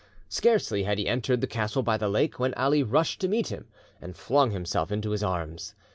Scarcely had he entered the castle by the lake, when Ali rushed to meet him, and flung himself into his arms.